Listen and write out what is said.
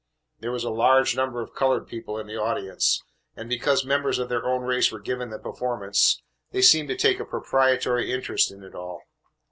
There were a large number of coloured people in the audience, and because members of their own race were giving the performance, they seemed to take a proprietary interest in it all.